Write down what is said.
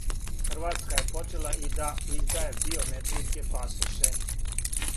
Хрватска је почела и да издаје биометријске пасоше.